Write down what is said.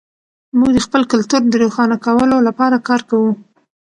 موږ د خپل کلتور د روښانه کولو لپاره کار کوو.